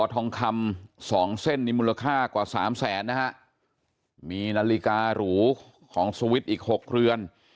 ทองคำสองเส้นนี้มูลค่ากว่าสามแสนนะฮะมีนาฬิการูของสวิตช์อีกหกเรือน